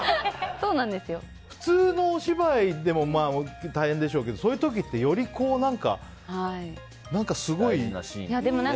普通のお芝居でも大変でしょうけどそういう時ってより何かすごい。